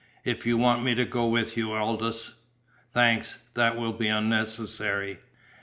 "If you want me to go with you, Aldous " "Thanks. That will be unnecessary."